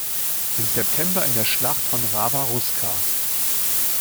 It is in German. Im September in der Schlacht von Rawa Ruska.